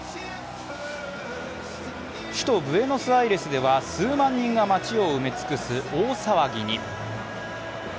首都ブエノスアイレスでは数万人が街を埋め尽くす大騒ぎに。